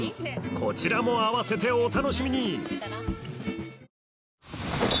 こちらも併せてお楽しみに！